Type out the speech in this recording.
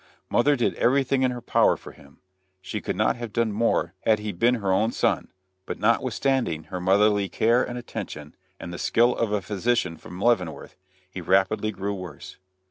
Mother did everything in her power for him. She could not have done more had he been her own son, but notwithstanding her motherly care and attention, and the skill of a physician from Leavenworth, he rapidly grew worse.